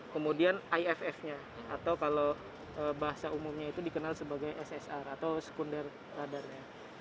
kemudian iff nya atau kalau bahasa umumnya itu dikenal sebagai ssr atau sekunder radarnya